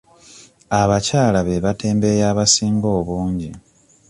Abakyala be batembeeyi abasinga obungi.